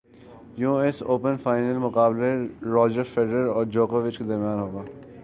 you S open final مقابلہ Roger Federer اور جوکووچ کے درمیان ہوگا